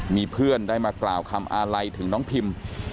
มีเพื่อนได้มากล่าวคำอาลัยถึงน้องพิม